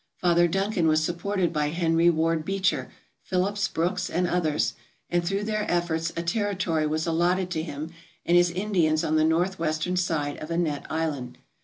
Father Duncan was supported by Henry Ward Beecher, Phillips Brooks, and others, and through their efforts a territory was allotted to him and his Indians on the north western side of Annette I sland.